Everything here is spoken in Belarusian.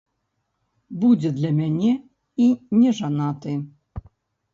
Будзе для мяне і нежанаты.